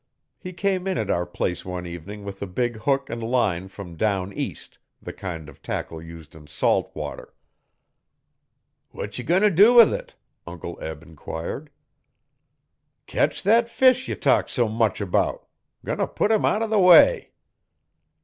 He came in at our place one evening with a big hook and line from 'down east' the kind of tackle used in salt water. 'What ye goin' t' dew with it?' Uncle Eb enquired. 'Ketch thet fish ye talk s' much about goin' t' put him out o' the way.'